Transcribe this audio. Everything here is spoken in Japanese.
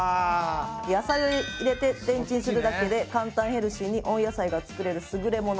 野菜を入れてレンチンするだけで簡単ヘルシーに温野菜が作れる優れもの。